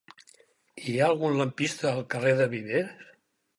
Hi ha algun lampista al carrer de Viver?